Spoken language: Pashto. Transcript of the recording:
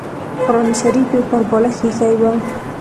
قران شریف یې پر بالښت اېښی و.